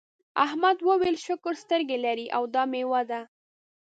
احمد وویل شکر سترګې لرې او دا میوه ده.